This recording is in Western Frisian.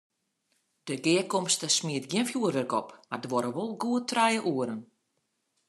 De gearkomste smiet gjin fjoerwurk op, mar duorre wol goed trije oeren.